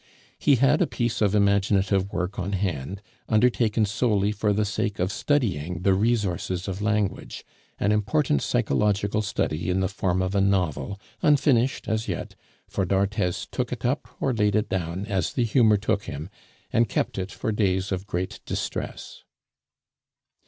He had a piece of imaginative work on hand, undertaken solely for the sake of studying the resources of language, an important psychological study in the form of a novel, unfinished as yet, for d'Arthez took it up or laid it down as the humor took him, and kept it for days of great distress.